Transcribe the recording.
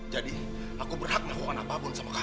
jadi aku berhak ngelakukan apa pun sama kamu